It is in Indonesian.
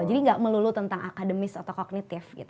jadi nggak melulu tentang akademis atau kognitif gitu